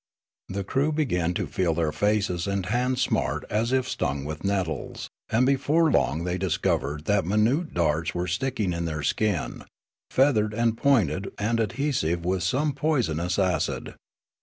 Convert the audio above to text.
The crew began to feel their faces and hands smart as if stung with nettles ; and before long they discovered that minute darts were sticking in their skin, feathered and pointed and adhesive with some poisonous acid.